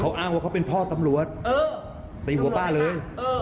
อ้างว่าเขาเป็นพ่อตำรวจตีหัวป้าเลย